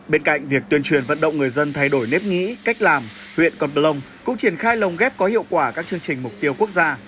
bên cạnh việc tuyên truyền vận động người dân thay đổi nếp nghĩ cách làm huyện con plông cũng triển khai lồng ghép có hiệu quả các chương trình mục tiêu quốc gia